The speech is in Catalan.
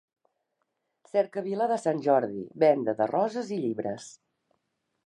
Cercavila de Sant Jordi, venda de roses i llibres.